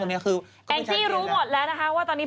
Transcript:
แอคที่รู้หมดแล้วนะคะว่าตอนนี้